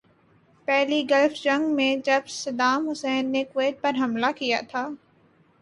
پہلی گلف جنگ میں جب صدام حسین نے کویت پہ حملہ کیا تھا۔